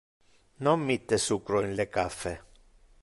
Non mitte sucro in le caffe.